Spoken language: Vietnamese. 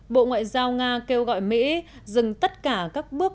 bộ ngoại giao nga kêu gọi mỹ dừng tất cả các bước